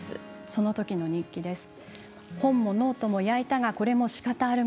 そのときの日記です。